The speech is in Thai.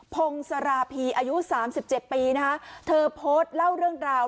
พงศรพีอายุ๓๗ปีเธอโพสต์เล่าเรื่องราว